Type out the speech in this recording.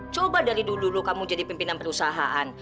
coba dari dulu dulu kamu jadi pimpinan perusahaan